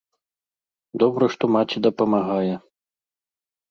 Добра, што маці дапамагае.